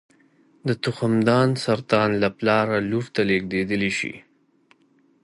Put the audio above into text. د تخمدان سرطان له پلاره لور ته لېږدېدلی شي.